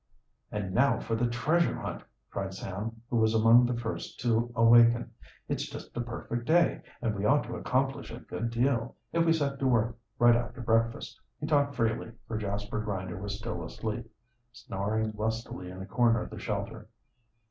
"And now for the treasure hunt!" cried Sam, who was among the first to awaken. "It's just a perfect day, and we ought to accomplish a good deal, if we set to work right after breakfast." He talked freely, for Jasper Grinder was still asleep snoring lustily in a corner of the shelter.